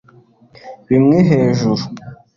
Bimwe hejuru